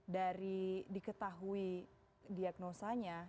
dari diketahui diagnosanya